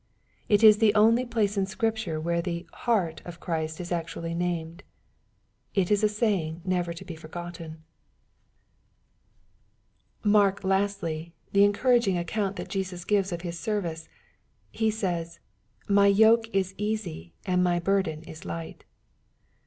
It is the only place in Scripture where the " heart " of Christ is actually named. It is a saying never to be forgotten. 120 EXPOSITOBY THOUOHTS. Marky lastly^ the encouraging account that Jesus givei of His service. He says, " My yoke is easy, and my burden is light."